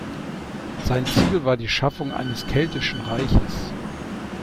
Sein Ziel war die Schaffung eines keltischen Reiches.